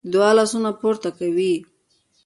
د دعا لاسونه پورته کوي.